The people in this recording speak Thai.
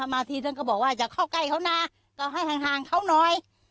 มาทีท่านก็บอกว่าอย่าเข้าใกล้เขานะก็ให้ห่างเขาหน่อย